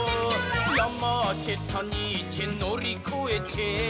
「ヤマーチェたにーちぇのりこえちぇ」